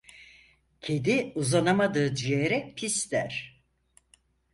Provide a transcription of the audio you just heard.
Kedi uzanamadığı ciğere, pis der.